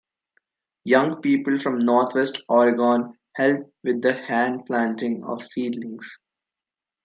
Young people from northwest Oregon helped with the hand-planting of seedlings.